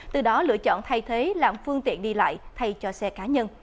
từ đó lựa chọn thay thế làm phương tiện đi lại thay cho xe cá nhân